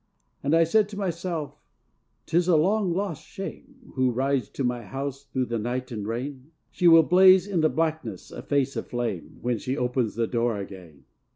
And I said to myself, "'Tis a long lost Shame, Who rides to my house through the night and rain! She will blaze in the blackness a face of flame When she opens the door again!"